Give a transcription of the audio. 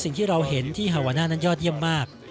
สิ่งที่เราเห็นที่ฮาวาน่านั้นยอดเยี่ยมมาก